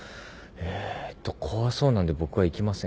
えーと怖そうなんで僕は行きません。